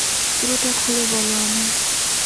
পুরোটা খুলে বলো আমায়।